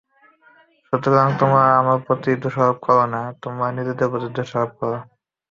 সুতরাং তোমরা আমার প্রতি দোষারোপ করো না, তোমরা নিজেদের প্রতি দোষারোপ কর।